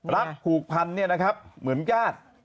รักผูกพันธุ์เนี่ยนะครับเหมือนกัน